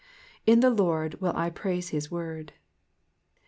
/» the Lord will I praise his word.